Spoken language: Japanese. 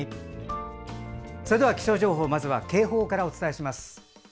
それでは気象情報まずは警報からお伝えします。